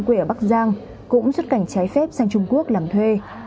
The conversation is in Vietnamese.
quê ở bắc giang cũng xuất cảnh trái phép sang trung quốc làm thuê